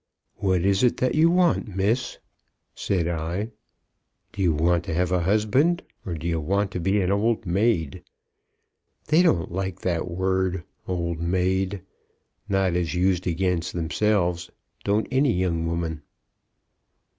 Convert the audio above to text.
'What is it that you want, Miss?' said I. 'D' you want to have a husband, or d' you want to be an old maid?' They don't like that word old maid; not as used again themselves, don't any young woman."